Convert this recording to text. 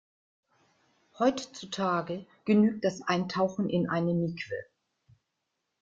Heutzutage genügt das Eintauchen in eine Mikwe.